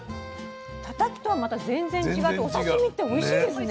タタキとはまた全然違ってお刺身っておいしいですね。